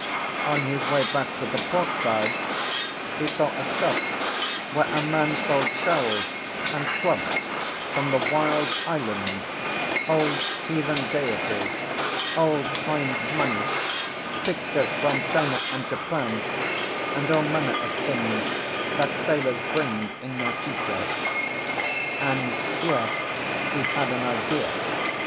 On his way back to the port side, he saw a shop where a man sold shells and clubs from the wild islands, old heathen deities, old coined money, pictures from China and Japan, and all manner of things that sailors bring in their sea chests. And here he had an idea.